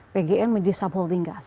pgn menjadi subholding kembali